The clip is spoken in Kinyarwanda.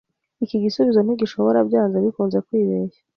Iki gisubizo ntigishobora byanze bikunze kwibeshya.